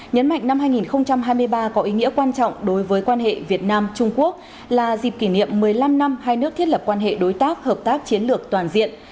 nhấn mạnh năm hai nghìn hai mươi ba có ý nghĩa quan trọng đối với quan hệ việt nam trung quốc là dịp kỷ niệm một mươi năm năm hai nước thiết lập quan hệ đối tác hợp tác chiến lược toàn diện